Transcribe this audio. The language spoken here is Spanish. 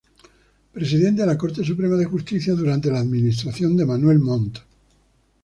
Presidente de la Corte Suprema de Justicia, durante la administración de Manuel Montt.